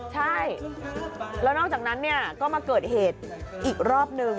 ใช่แล้วนอกจากนั้นเนี่ยก็มาเกิดเหตุอีกรอบนึง